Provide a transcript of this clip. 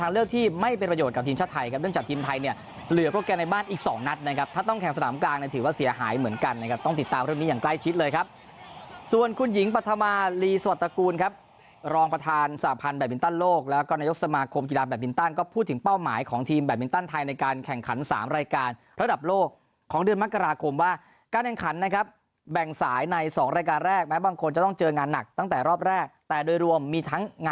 นี้อย่างใกล้ชิดเลยครับส่วนคุณหญิงปรธมาลีสวัสดิ์ตระกูลครับรองประธานสาพันธ์แบบมินตั้นโลกแล้วก็นายกสมาคมกีฬาแบบมินตั้นก็พูดถึงเป้าหมายของทีมแบบมินตั้นไทยในการแข่งขันสามรายการระดับโลกของเดือนมัฆกราคมว่าการแข่งขันนะครับแบ่งสายในสองรายการแรกแม้บางคนจะต้องเจองานหนักตั้ง